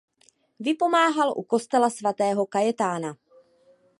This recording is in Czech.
Vypomáhal u kostela svatého Kajetána.